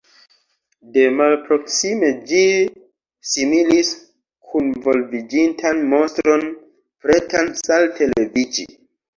De malproksime ĝi similis kunvolviĝintan monstron, pretan salte leviĝi.